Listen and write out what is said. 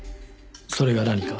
それが何か？